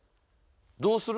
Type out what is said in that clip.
どうする？